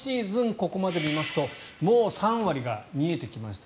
ここまで見るともう３割が見えてきました。